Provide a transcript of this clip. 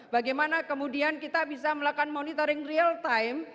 bagaimana kemudian kita bisa melakukan monitoring real time